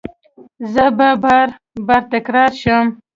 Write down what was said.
زه به بار، بار تکرار شم